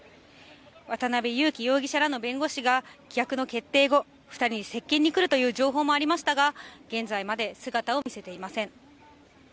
渡辺優樹容疑者らの弁護士が棄却の決定後、２人に接見に来るという情報もありましたが、現在まで姿を見せていません。